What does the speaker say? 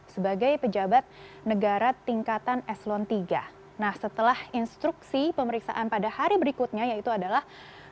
sebagai pejabat negara tingkatan eslon tiga nah setelah instruksi pemeriksaan pada hari berikutnya yaitu adalah